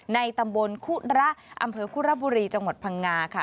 ในตำบลคุระอำเภอคุระบุรีจังหวัดพังงาค่ะ